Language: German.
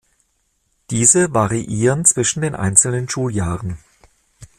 Diese variieren zwischen den einzelnen Schuljahren.